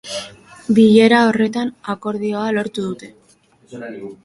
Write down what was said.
Bilera horretan akordioa lortu dute.